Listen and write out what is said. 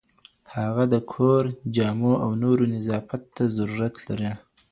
هغه د کور، جامو او نورو نظافت ته ضرورت لري،